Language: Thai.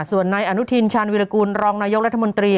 ส่วนนายอนุทินชาญวิรากูลรองนายกรัฐมนตรี